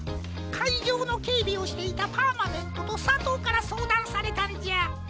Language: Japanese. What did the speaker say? かいじょうのけいびをしていたパーマネントとさとうからそうだんされたんじゃ。